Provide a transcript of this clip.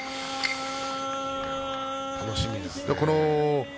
楽しみですね。